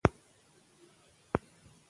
ادبي سبک او نور اثار: